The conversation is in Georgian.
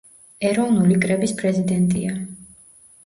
ეროვნული კრების პრეზიდენტია.